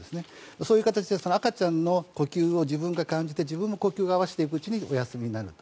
そういう形で赤ちゃんの呼吸を自分が感じて自分も呼吸を合わせていくうちにお休みになると。